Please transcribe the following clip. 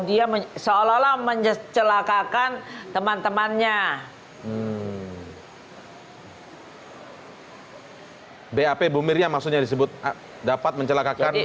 dia mencoba mencelakakan teman temannya hai bap bumir yang maksudnya disebut dapat mencelakakan